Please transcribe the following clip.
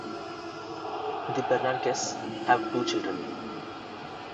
The Bernankes have two children.